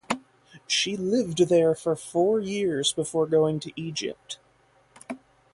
She lived there for four years before going to Egypt.